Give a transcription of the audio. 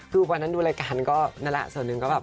คือวันนั้นดูรายการก็นั่นแหละส่วนหนึ่งก็แบบ